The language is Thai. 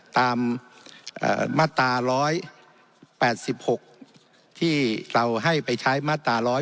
ตามมาตราร้อย๘๖ที่เราให้ไปใช้มาตราร้อย๘๔ว๒